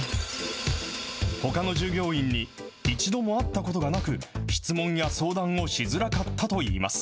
ほかの従業員に一度も会ったことがなく、質問や相談をしづらかったといいます。